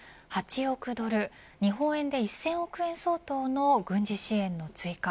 ８億ドル日本円で１０００億円相当の軍事支援の追加。